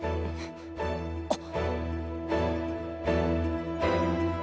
あっ！